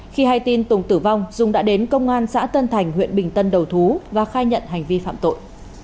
khi hay tin tùng tử vong dung đã đến công an xã tân thành huyện bình tân đầu thú và khai nhận hành vi phạm tội